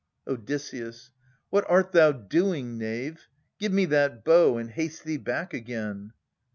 Odysseus. What art thou doing, knave ? Give me that bow, and haste thee back again.